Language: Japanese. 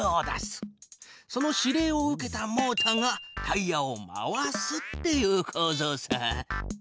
その指令を受けたモータがタイヤを回すっていうこうぞうさ。